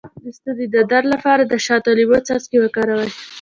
د ستوني د درد لپاره د شاتو او لیمو څاڅکي وکاروئ